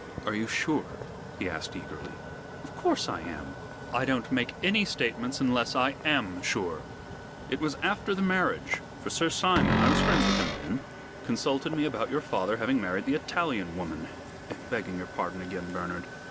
"Are you sure?" he asked eagerly. "Of course I am. I don't make any statements unless I am sure. It was after the marriage; for Sir Simon I was friends with him then consulted me about your father having married the Italian woman begging your pardon again, Bernard.